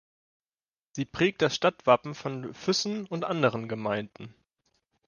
Sie prägt das Stadtwappen von Füssen und anderen Gemeinden.